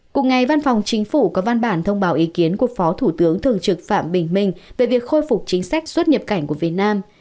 cùng ngày văn phòng chính phủ có văn bản thông báo ý kiến của phó thủ tướng thường trực phạm bình minh về việc khôi phục chính sách xuất nhập cảnh của việt nam